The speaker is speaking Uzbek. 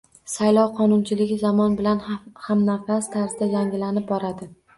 Saylov qonunchiligi zamon bilan hamnafas tarzda yangilanib boradi